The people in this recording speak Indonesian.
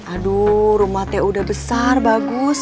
aduh rumah teh udah besar bagus